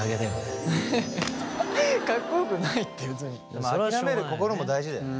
まあ諦める心も大事だよね。